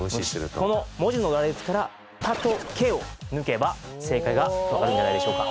この文字の羅列から「た」と「け」を抜けば正解がわかるんじゃないでしょうか。